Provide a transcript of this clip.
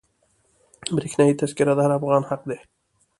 برښنایي تذکره د هر افغان حق دی.